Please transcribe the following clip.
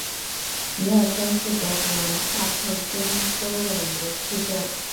米尔森是德国萨克森州的一个市镇。